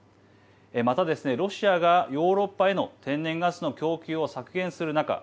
またですね、ロシアがヨーロッパへの天然ガスの供給を削減する中